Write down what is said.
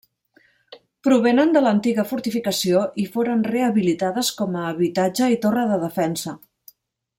Provenen de l'antiga fortificació i foren rehabilitades com a habitatge i torre de defensa.